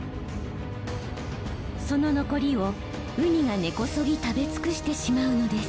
その残りをウニが根こそぎ食べ尽くしてしまうのです。